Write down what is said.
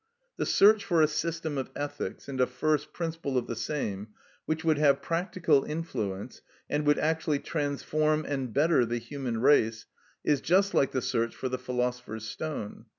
The search for a system of ethics and a first principle of the same, which would have practical influence and would actually transform and better the human race, is just like the search for the philosopher's stone.